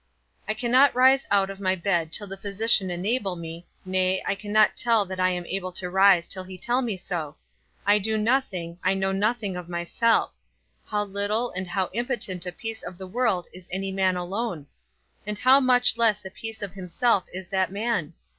I cannot rise out of my bed till the physician enable me, nay, I cannot tell that I am able to rise till he tell me so. I do nothing, I know nothing of myself; how little and how impotent a piece of the world is any man alone? And how much less a piece of himself is that man?